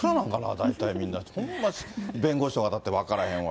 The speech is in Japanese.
大体、そんな弁護士の方って、分からへんわ。